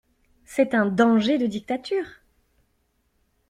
C'est un danger de dictature!